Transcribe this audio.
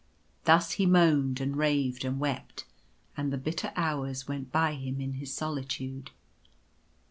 Thus he moaned, and raved, and wept ; and the bitter hours went by him in his solitude.